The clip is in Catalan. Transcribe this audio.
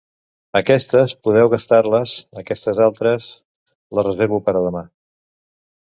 Aquestes, podeu gastar-les; aquestes altres, les reservo per a demà.